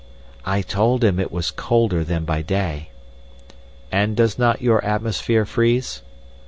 "I told him it was colder than by day. "'And does not your atmosphere freeze?